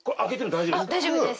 大丈夫です。